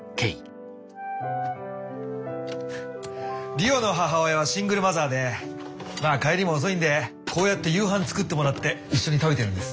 理央の母親はシングルマザーでまあ帰りも遅いんでこうやって夕飯作ってもらって一緒に食べてるんです。